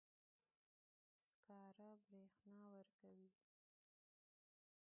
سکاره برېښنا ورکوي.